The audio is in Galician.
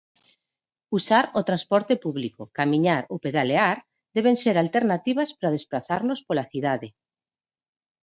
Usar o transporte público, camiñar ou pedalear deben ser alternativas para desprazarnos pola cidade.